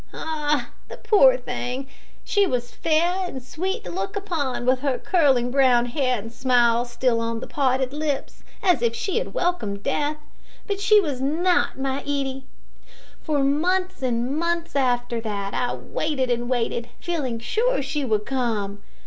Ah! the poor thing she was fair and sweet to look upon, with her curling brown hair and a smile still on the parted lips, as if she had welcomed Death; but she was not my Edie. For months and months after that I waited and waited, feeling sure that she would come.